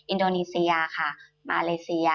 อินโดนีเซียค่ะมาเลเซีย